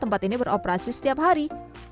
tempat ini beroperasi setiap hari